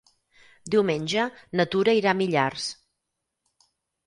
Diumenge na Tura irà a Millars.